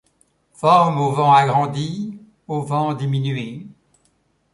Forme au vent agrandie, au vent diminuée